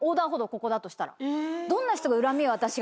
ここだとしたら。